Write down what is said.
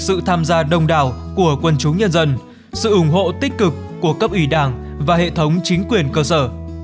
sự tham gia đông đảo của quân chúng nhân dân sự ủng hộ tích cực của cấp ủy đảng và hệ thống chính quyền cơ sở